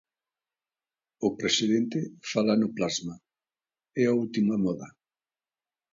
O presidente fala no plasma, é a última moda.